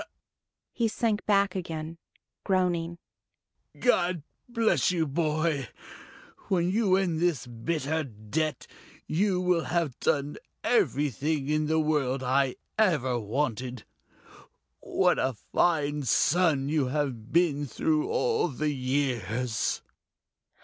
He sank back again, groaning. "God bless you, boy. When you end this bitter debt, you will have done everything in the world I ever wanted, what a fine son you have been through all the years!"